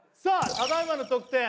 ただいまの得点